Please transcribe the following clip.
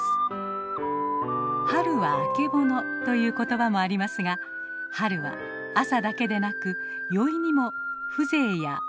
「春はあけぼの」ということばもありますが春は朝だけでなく宵にも風情や趣が感じられます。